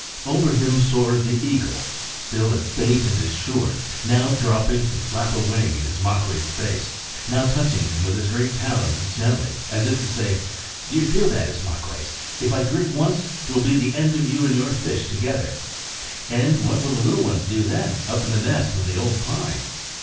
Over him soared the eagle, still as fate and as sure, now dropping to flap a wing in Ismaquehs' face, now touching him with his great talons gently, as if to say, "Do you feel that, Ismaquehs? If I grip once 't will be the end of you and your fish together. And what will the little ones do then, up in the nest on the old pine?